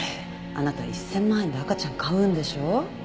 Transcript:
あなた１千万円で赤ちゃん買うんでしょ？